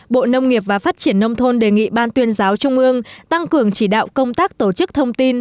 bộ nông nghiệp và phát triển nông thôn đề nghị ban tuyên giáo trung ương tăng cường chỉ đạo công tác tổ chức thông tin